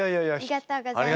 ありがとうございます。